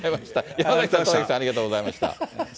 山崎さん、ありがとうございました。